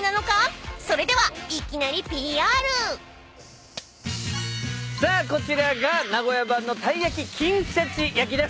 ［それでは］さあこちらが名古屋版のたい焼き金しゃち焼きです。